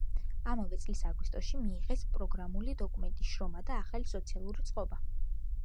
ამავე წლის აგვისტოში მიიღეს პროგრამული დოკუმენტი „შრომა და ახალი სოციალური წყობა“.